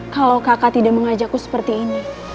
kalau kakak tidak mengajakku seperti ini